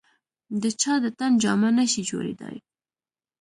د چا د تن جامه نه شي جوړېدای.